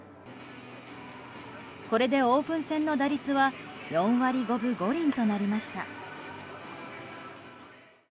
これでオープン戦の打率は４割５分５厘となりました。